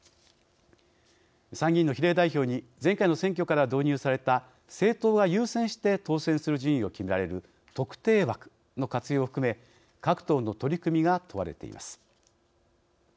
参議院の比例代表に前回の選挙から導入された政党が優先して当選する順位を決められる特定枠の活用を含め各党の取り組みが問われています。